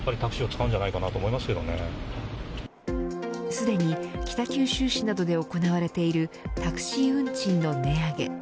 すでに北九州市などで行われているタクシー運賃の値上げ。